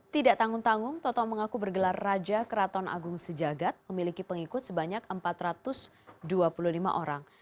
tidak tanggung tanggung toto mengaku bergelar raja keraton agung sejagat memiliki pengikut sebanyak empat ratus dua puluh lima orang